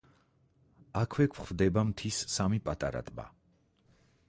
აქვე გვხვდება მთის სამი პატარა ტბა.